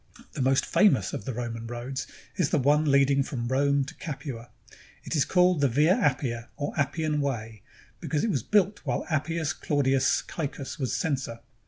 The most famous of the Roman roads is the one lead ing from Rome to Capua. It is called the Via Appia or Appian Way, because it was built while Appius Claudius Caecus was censor.